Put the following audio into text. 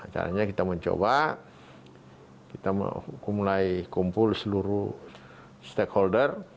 caranya kita mencoba kita mulai kumpul seluruh stakeholder